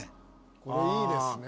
これいいですね。